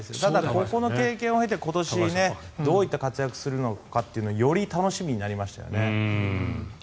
ここの経験を経て今年、どういった活躍をするのかより楽しみになりましたよね。